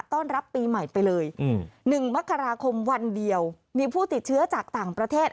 ต้อนรับปีใหม่ไปเลย๑มกราคมวันเดียวมีผู้ติดเชื้อจากต่างประเทศ